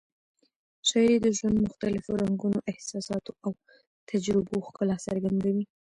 شاعري د ژوند مختلفو رنګونو، احساساتو او تجربو ښکلا څرګندوي.